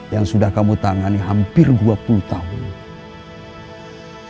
yang sudah kamu tangani hampir dua puluh tahun